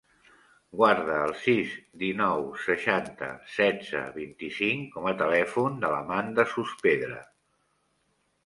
Guarda el sis, dinou, seixanta, setze, vint-i-cinc com a telèfon de l'Amanda Sospedra.